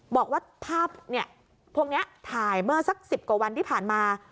บอกว่าภาพพวกนี้ถ่ายเมื่อสัก๑๐กว่าวันที่ผ่านมา